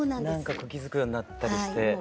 何か気付くようになったりして。